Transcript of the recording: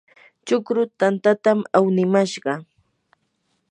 chukru tantatam awnimashqa.